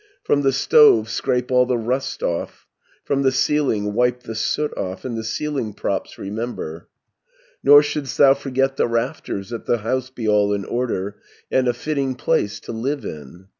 "From the stove scrape all the rust off, From the ceiling wipe the soot off, And the ceiling props remember, Nor should'st thou forget the rafters, 210 That the house be all in order, And a fitting place to live in.